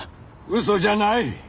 嘘じゃない！